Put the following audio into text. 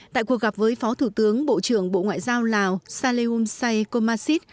tại cuộc gặp với phó thủ tướng bộ trưởng bộ ngoại giao lào sạ lầm say cô mạ xít